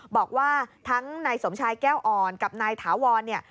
บอกว่าทั้งนายสมชายแก้วอ่อนกับนายถาวรเนี่ย